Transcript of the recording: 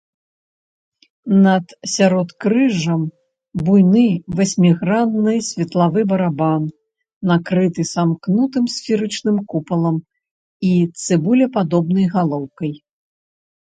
Над сяродкрыжжам буйны васьмігранны светлавы барабан накрыты самкнутым сферычным купалам і цыбулепадобнай галоўкай.